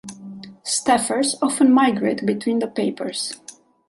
Staffers often migrate between the papers.